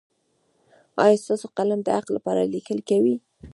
ایا ستاسو قلم د حق لپاره لیکل کوي؟